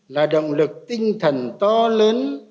là động lực tinh thần to lớn